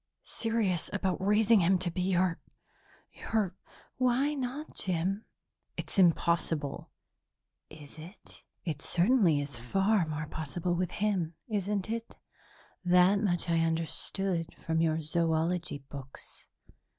"Serious about raising him to be your your " "Why not, Jim?" "It's impossible." "Is it? It certainly is far more possible with him, isn't it? That much I understood from your zoology books."